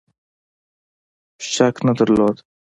شک نه درلود.